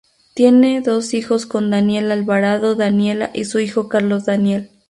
Tiene dos hijos con Daniel Alvarado, Daniela y su hijo Carlos Daniel.